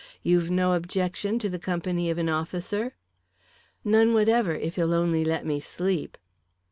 You've no objection to the company of an officer?" "None whatever, if he'll only let me sleep."